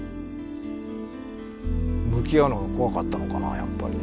向き合うのが怖かったのかなやっぱり。